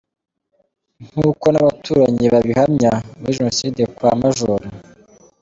Nkuko n’abaturanyi babihamya, muri Jenoside kwa Maj.